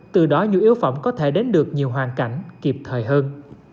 từ đó nhu yếu phẩm có thể đến được nhiều hoàn cảnh kịp thời hơn